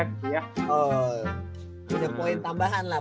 oh punya poin tambahan lah